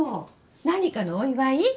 何かのお祝い？